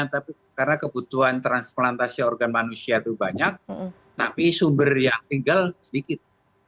tapi karena kebutuhan transplantasi organ manusia itu banyak tapi sumber yang tinggal sedikit